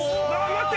待って！